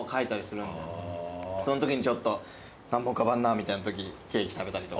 そんときにちょっと何も浮かばんなみたいなときケーキ食べたりとか。